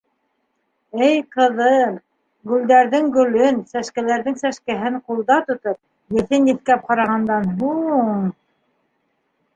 Эй ҡыҙым... гөлдәрҙең гөлөн, сәскәләрҙең сәскәһен ҡулда тотоп, еҫен еҫкәп ҡарағандан һуң...